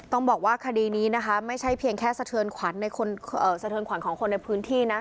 ต้องบอกว่าคดีนี้นะคะไม่ใช่เพียงแค่สะเทือนขวัญสะเทือนขวัญของคนในพื้นที่นะ